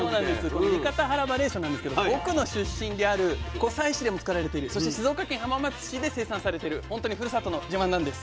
この三方原ばれいしょなんですけど僕の出身である湖西市でも作られてるそして静岡県浜松市で生産されてる本当にふるさとの自慢なんです。